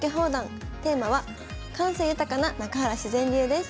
テーマは「感性豊かな中原自然流」です。